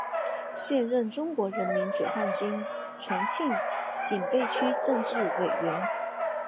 现任中国人民解放军重庆警备区政治委员。